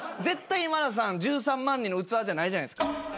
絶対今田さん１３万人の器じゃないじゃないですか。